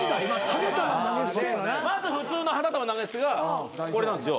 まず普通の花束投げ捨てがこれなんですよ。